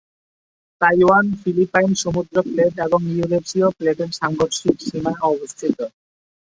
Taiwan Philippine সমুদ্র plate এবং ইউরেশীয় প্লেটের সাংঘর্ষিক সীমায় অবস্থিত।